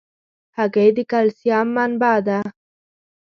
هګۍ د کلسیم منبع ده.